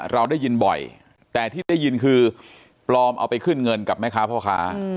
เราได้ยินบ่อยแต่ที่ได้ยินคือปลอมเอาไปขึ้นเงินกับแม่ค้าพ่อค้า